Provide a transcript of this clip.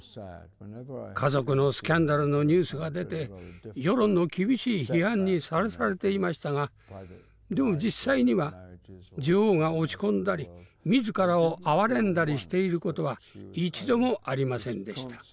家族のスキャンダルのニュースが出て世論の厳しい批判にさらされていましたがでも実際には女王が落ち込んだり自らを哀れんだりしていることは一度もありませんでした。